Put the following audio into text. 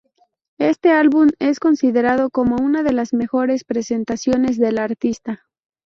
Este álbum es considerado como una de las mejores presentaciones de la artista.